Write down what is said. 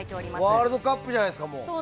ワールドカップじゃないですかもう。